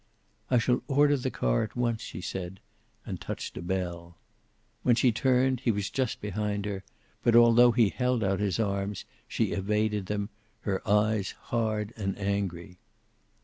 "I shall order the car at once," she said, and touched a bell. When she turned he was just behind her, but altho he held out his arms she evaded them, her eyes hard and angry.